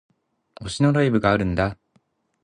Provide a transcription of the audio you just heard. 推しのライブがあるんだ